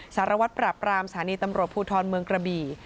สารวัตรปราบรามสถานีตำรวจภูทรเมืองกระบี่